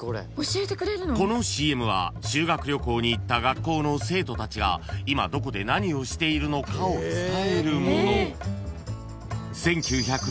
［このＣＭは修学旅行に行った学校の生徒たちが今どこで何をしているのかを伝えるもの］